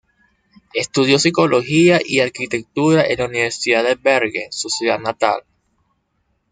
Estudió psicología y arquitectura en la Universidad de Bergen, su ciudad natal.